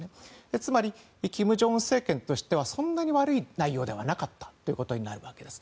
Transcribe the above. つまり、金正恩政権としてはそんなに悪い内容ではなかったというわけです。